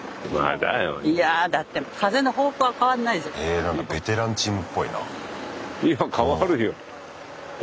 えなんかベテランチームっぽいな。